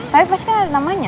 tapi pasti ada namanya